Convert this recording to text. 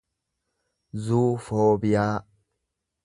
zuufoobiyaa